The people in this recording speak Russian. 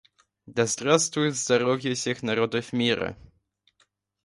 Да здравствует здоровье всех народов мира!